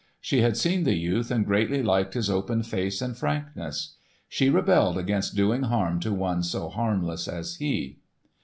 She had seen the youth and greatly liked his open face and frankness. She rebelled against doing harm to one so harmless as he.